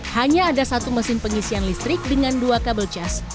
hanya ada satu mesin pengisian listrik dengan dua kabel jas